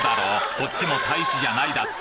こっちも大使じゃないだって！？